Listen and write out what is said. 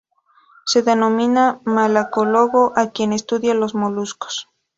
Se denomina malacólogo a quien estudia los moluscos.